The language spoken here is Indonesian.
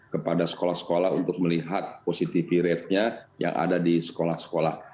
kepada sekolah sekolah untuk melihat positivity ratenya yang ada di sekolah sekolah